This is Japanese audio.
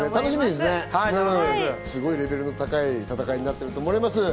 すごくレベルの高い戦いになっていると思います。